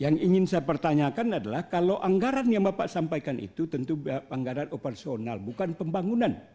yang ingin saya pertanyakan adalah kalau anggaran yang bapak sampaikan itu tentu anggaran operasional bukan pembangunan